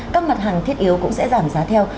các mặt hàng thiết yếu cũng sẽ giảm giá theo